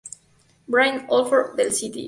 Brian Orloff del "St.